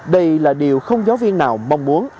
đây là điều không giáo viên nào mong muốn